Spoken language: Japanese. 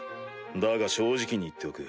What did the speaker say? だが正直に言っておく。